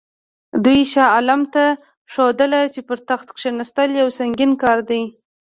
دوی شاه عالم ته ښودله چې پر تخت کښېنستل یو سنګین کار دی.